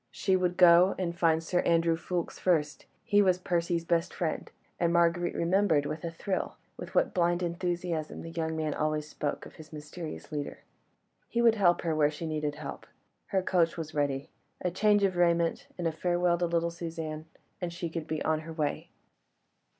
She would go and find Sir Andrew Ffoulkes first; he was Percy's best friend, and Marguerite remembered with a thrill, with what blind enthusiasm the young man always spoke of his mysterious leader. He would help her where she needed help; her coach was ready. A change of raiment, and a farewell to little Suzanne, and she could be on her way.